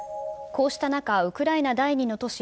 こうした中、ウクライナ第２の都市